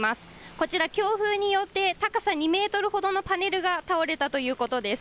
こちら、強風によって高さ２メートルほどのパネルが倒れたということです。